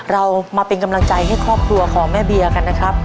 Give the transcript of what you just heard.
เรามาเป็นกำลังใจให้ครอบครัวของแม่เบียกันนะครับ